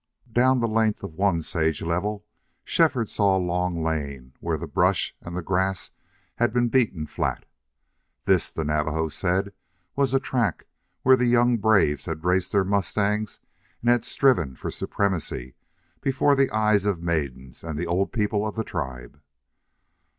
Down the length of one sage level Shefford saw a long lane where the brush and the grass had been beaten flat. This, the Navajo said, was a track where the young braves had raced their mustangs and had striven for supremacy before the eyes of maidens and the old people of the tribe.